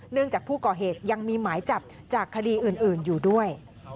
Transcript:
จากผู้ก่อเหตุยังมีหมายจับจากคดีอื่นอยู่ด้วย